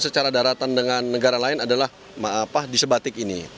secara daratan dengan negara lain adalah di sebatik ini